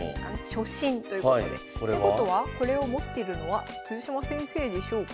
「初心」ということでってことはこれを持ってるのは豊島先生でしょうか？